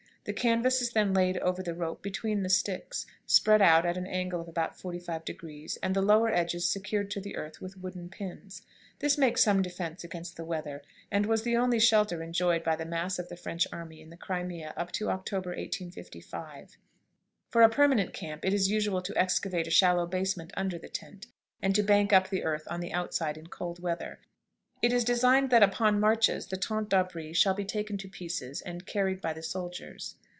The canvas is then laid over the rope between the sticks, spread out at an angle of about forty five degrees, and the lower edges secured to the earth with wooden pins. This makes some defense against the weather, and was the only shelter enjoyed by the mass of the French army in the Crimea up to October, 1855. For a permanent camp it is usual to excavate a shallow basement under the tent, and to bank up the earth on the outside in cold weather. It is designed that upon marches the tente d'abri shall be taken to pieces and carried by the soldiers.